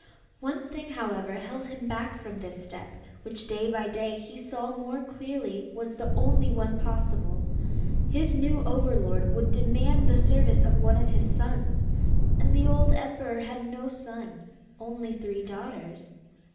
One thing, however, held him back from this step which day by day he saw more clearly was the only one possible. His new overlord would demand the service of one of his sons. And the old emperor had no son; only three daughters.